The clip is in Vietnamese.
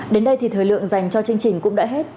đến đây thì thời lượng dành cho chương trình cũng đã hết